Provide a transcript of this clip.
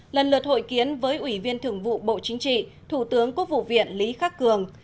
lần lượt hội kiến với ủy viên thưởng vụ bộ chính trị thủ tướng quốc vụ viện lý khắc cường